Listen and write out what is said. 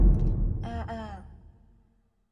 啊呀